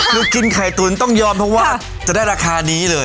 ลูกกินไข่ตุ๋นต้องยอมเพราะว่าจะได้ราคานี้เลย